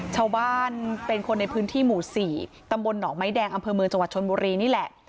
ชาวบ้านเป็นคนในพื้นที่หมู่๔ตำบลหนองไม้แดงอำเภอเมืองจังหวัดชนบุรีนี่แหละ